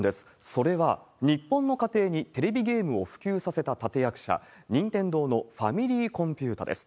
それは日本の家庭にテレビゲームを普及させた立て役者、任天堂のファミリーコンピュータです。